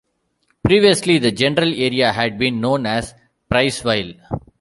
Previously the general area had been known as Priceville.